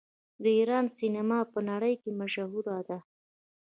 د ایران سینما په نړۍ کې مشهوره ده.